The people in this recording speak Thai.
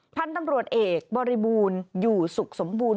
พันธุ์ตำรวจเอกบริบูรณ์อยู่สุขสมบูรณ